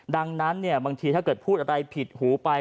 ดังนั้นบางทีถ้าเกิดพูดอะไรผิดหูไป